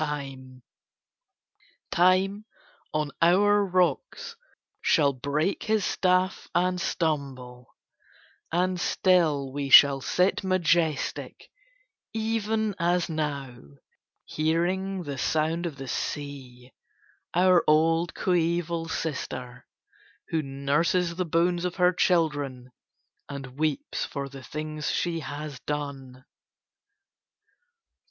Time on our rocks shall break his staff and stumble: and still we shall sit majestic, even as now, hearing the sound of the sea, our old coeval sister, who nurses the bones of her children and weeps for the things she has done.